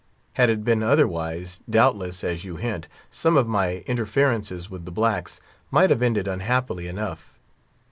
Had it been otherwise, doubtless, as you hint, some of my interferences might have ended unhappily enough.